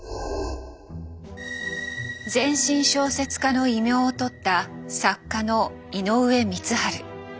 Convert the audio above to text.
「全身小説家」の異名をとった作家の井上光晴。